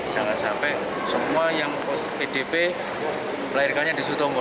jangan sampai semua yang pdp melahirkannya di sutomo